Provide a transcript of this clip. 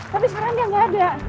tapi sekarang dia nggak ada